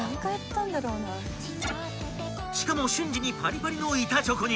［しかも瞬時にパリパリの板チョコに］